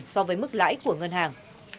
so với mức lãi của ngân hàng